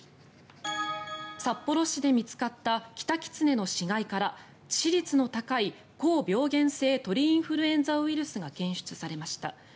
札幌市で見つかったキタキツネの死骸から致死率の高い高病原性鳥インフルエンザウイルスが検出されました。